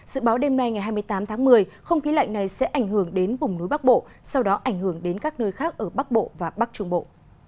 dự báo đêm nay ngày hai mươi tám tháng một mươi không khí lạnh này sẽ ảnh hưởng đến vùng núi bắc bộ sau đó ảnh hưởng đến các nơi khác ở bắc bộ và bắc trung bộ